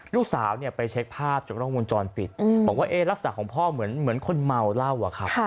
ลูกสาวเนี่ยไปเช็คภาพจากกล้องวงจรปิดบอกว่าลักษณะของพ่อเหมือนคนเมาเหล้าอะครับ